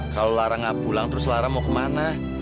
kalo lara gak pulang terus lara mau kemana